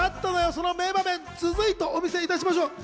その名場面ずずいとお見せいたしましょう。